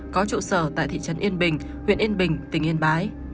có trụ sở tại thị trấn yên bình huyện yên bình tỉnh yên bái